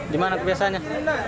di mana kebiasaannya